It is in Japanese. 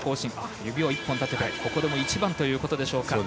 指を１本立ててここでも一番ということでしょうか。